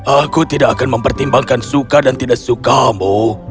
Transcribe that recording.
aku tidak akan mempertimbangkan suka dan tidak sukamu